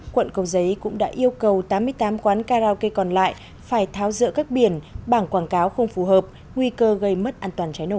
quận cầu giấy cũng đã yêu cầu tám mươi tám quán karaoke còn lại phải tháo rỡ các biển bảng quảng cáo không phù hợp nguy cơ gây mất an toàn cháy nổ